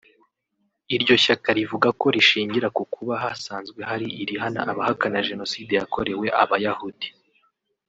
Iryo shyaka rivuga ko rishingira ku kuba hasanzwe hari irihana abahakana Jenoside yakorewe Abayahudi